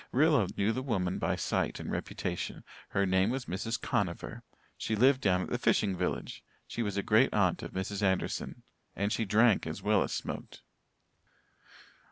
Rilla knew the woman by sight and reputation. Her name was Mrs. Conover; she lived down at the fishing village; she was a great aunt of Mrs. Anderson; and she drank as well as smoked.